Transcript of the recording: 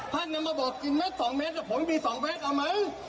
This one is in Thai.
ท่านก็มาบอกกินเม็ดสองเม็ดแต่ผมมีสองเม็ดอ่ะมั้ย